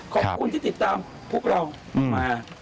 ขอบคุณที่ติดตามพวกเรามาก